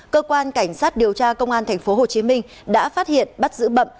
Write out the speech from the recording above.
cơ quan cảnh sát điều tra công an tp hcm đã phát hiện bắt giữ bậm